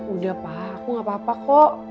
udah pak aku gak apa apa kok